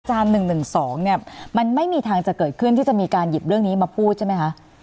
๑๑๒เนี่ยมันไม่มีทางจะเกิดขึ้นที่จะมีการหยิบเรื่องนี้มาพูดใช่ไหมคะ